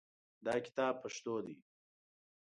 دا کتاب پښتو دی